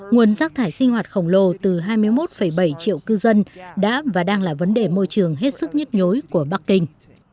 nguồn rác thải sinh hoạt khổng lồ từ hai mươi một bảy triệu cư dân đã và đang là vấn đề môi trường hết sức nhức nhối của bắc kinh